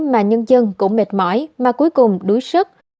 mệt mỏi mà cuối cùng đuối sức